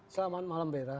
selamat malam bera